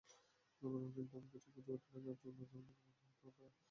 কিন্তু আমি কিছু বুঝে ওঠার আগেই আট-দশজন লোক আমাকে মারধর করতে থাকেন।